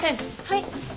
はい。